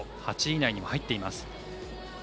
８位以内にも入っています。